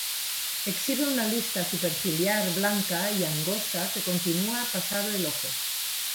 Exhibe una lista superciliar blanca y angosta que continúa pasado el ojo.